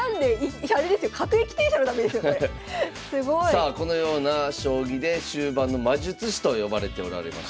さあこのような将棋で終盤の魔術師と呼ばれておられました。